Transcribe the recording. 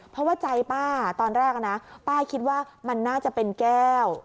เพราะว่าใจป้าตอนแรกนะป้าคิดว่ามันน่าจะเป็นแก้ว